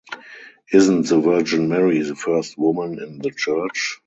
Isn’t the Virgin Mary the first woman in the Church?